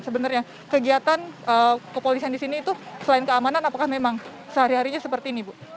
sebenarnya kegiatan kepolisian di sini itu selain keamanan apakah memang sehari harinya seperti ini bu